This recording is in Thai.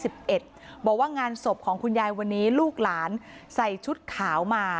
บอกว่างานศพของคุณยายวันนี้ลูกหลานใส่ชุดขาวมา